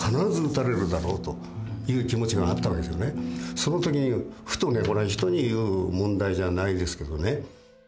その時にふとこれは人に言う問題じゃないですけどね。